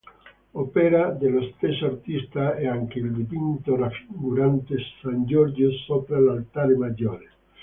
Opera dello stesso artista è anche il dipinto raffigurante San Giorgio sopra l'altare maggiore.